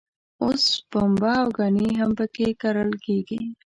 اوس پنبه او ګني هم په کې کرل کېږي.